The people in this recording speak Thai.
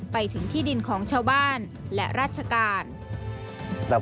ไปถึงที่ดินของชาวบ้านและราชการ